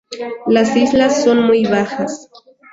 Las islas son muy bajas.